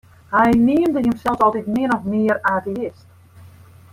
Hy neamde himsels altyd min of mear ateïst.